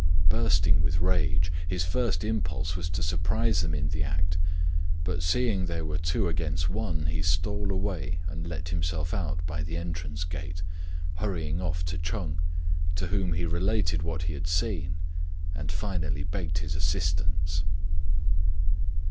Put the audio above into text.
Bursting with rage, his first impulse was to surprise them in the act ; but seeing there were two against one, he stole away and let himself out by the entrance gate, hurrying off to Ch'eng, to whom he related what he had seen, and finally begged his assistance.